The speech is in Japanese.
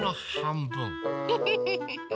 フフフフフ！